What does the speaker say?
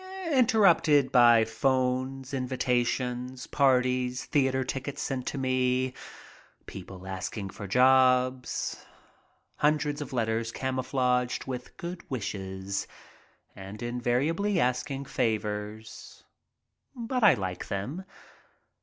Interrupted by phones, invi tations, parties, theater tickets sent to me, people asking for jobs. Hundreds of letters camouflaged with good wishes and invariably asking favors. But I like them.